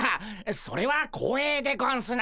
それは光栄でゴンスな。